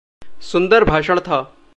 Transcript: सुंदर भाषण था।